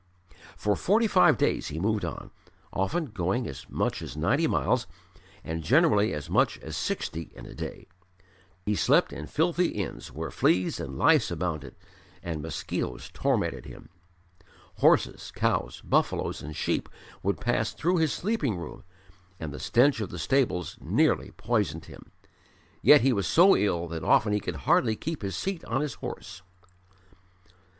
For forty five days he moved on, often going as much as ninety miles, and generally as much as sixty in a day. He slept in filthy inns where fleas and lice abounded and mosquitoes tormented him. Horses, cows, buffaloes and sheep would pass through his sleeping room, and the stench of the stables nearly poisoned him. Yet he was so ill that often he could hardly keep his seat on his horse.